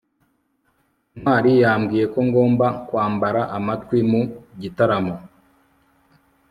ntwali yambwiye ko ngomba kwambara amatwi mu gitaramo